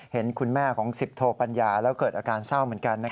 เห็นคุณแม่ของ๑๐โทปัญญาแล้วเกิดอาการเศร้าเหมือนกัน